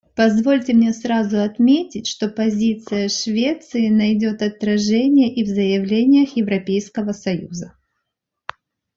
Позвольте мне сразу отметить, что позиция Швеции найдет отражение и в заявлениях Европейского союза.